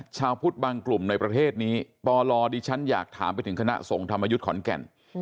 ชาวพุทธบางกลุ่มในประเทศนี้ปลดิฉันอยากถามไปถึงคณะสงฆ์ธรรมยุทธ์ขอนแก่น